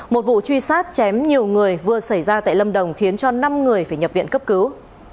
một vụ truy sát chém nhiều người vừa xảy ra tại lâm đồng khiến cho năm người phải nhập viện cấp cứu